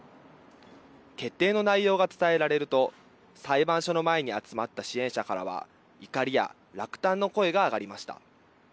決定の内容が伝えられると裁判所の前に集まった支援者からは怒りや落胆の声が上がりました。